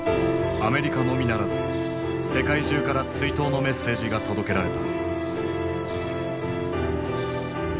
アメリカのみならず世界中から追悼のメッセージが届けられた。